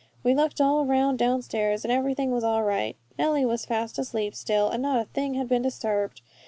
We looked all around downstairs and everything was all right. Nellie was fast asleep still, and not a thing had been disturbed.